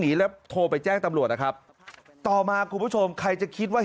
แล้วโทรไปแจ้งตำรวจนะครับต่อมาคุณผู้ชมใครจะคิดว่า